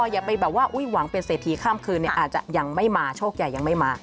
อย่าไปแบบว่าหวังเป็นเศรษฐีข้ามคืนอาจจะยังไม่มาโชคใหญ่ยังไม่มา